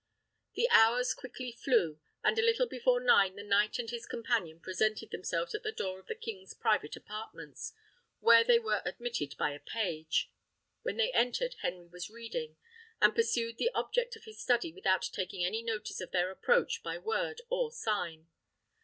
The hours quickly flew, and a little before nine the knight and his companion presented themselves at the door of the king's private apartments, where they were admitted by a page. When they entered Henry was reading, and pursued the object of his study without taking any notice of their approach by word or sign.